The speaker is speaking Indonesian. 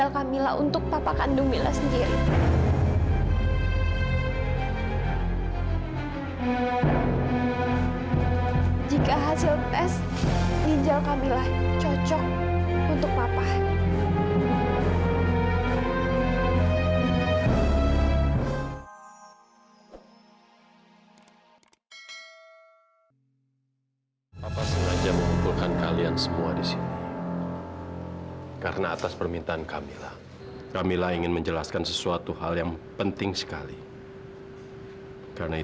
kamila kan tetap bersama keluarga ini